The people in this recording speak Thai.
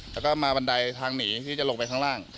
แล้วก็มาบันไดทางหนีที่จะลงไปข้างล่าง